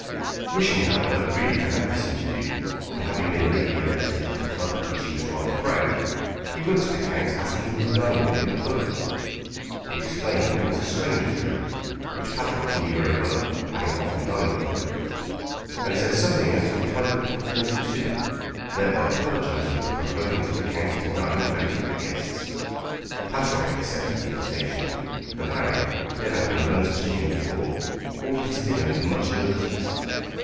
Wishing, however, really to have this interview, and having been lately elected at a club of which he was rather proud, he wrote to the count asking him to dine with him at the Beaufort. He explained that there was a strangers' room, which Pateroff knew very well, having often dined at the Beaufort, and said something as to a private little dinner for two, thereby apologizing for proposing to the count to dine without other guests. Pateroff accepted the invitation, and Harry, never having done such a thing before, ordered his dinner with much nervousness.